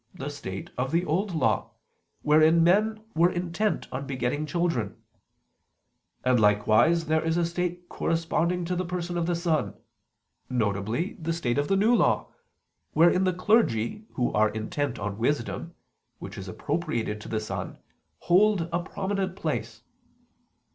the state of the Old Law, wherein men were intent on begetting children: and likewise there is a state corresponding to the Person of the Son: viz. the state of the New Law, wherein the clergy who are intent on wisdom (which is appropriated to the Son) hold a prominent place.